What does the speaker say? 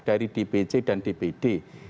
dari dpc dan dpd